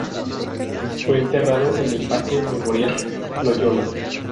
Fue enterrado en el Parque Memorial Loyola.